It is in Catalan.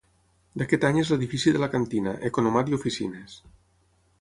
D'aquest any és l'edifici de la cantina, economat i oficines.